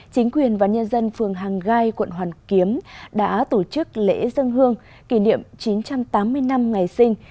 chính quyền và nhân dân phường hàng gai quận hoàn kiếm đã tổ chức lễ dân hương kỷ niệm chín trăm tám mươi năm ngày sinh